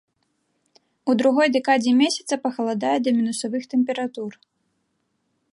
У другой дэкадзе месяца пахаладае да мінусавых тэмператур.